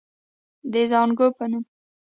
د زانګو پۀ نوم